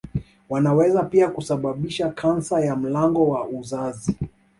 Wanaweza pia kusababisha kansa ya mlango wa uzazi